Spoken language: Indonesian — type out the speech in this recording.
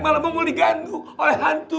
malah monggol digantung oleh hantu